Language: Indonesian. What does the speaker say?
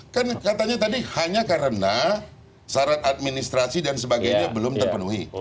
kan katanya tadi hanya karena syarat administrasi dan sebagainya belum terpenuhi